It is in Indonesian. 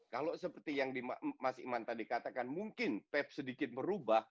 kalau seperti yang mas iman tadi katakan mungkin pep sedikit merubah